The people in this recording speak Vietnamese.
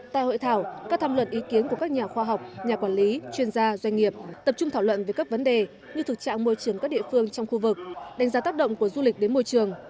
tại hội thảo các tham luận ý kiến của các nhà khoa học nhà quản lý chuyên gia doanh nghiệp tập trung thảo luận về các vấn đề như thực trạng môi trường các địa phương trong khu vực đánh giá tác động của du lịch đến môi trường